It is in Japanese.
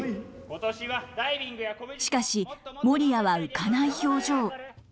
しかしモリヤは浮かない表情。